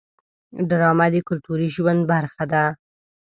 ډرامه د کلتوري ژوند برخه ده